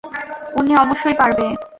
উনি অবশ্যই পারবে!